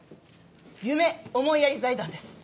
夢思いやり財団です。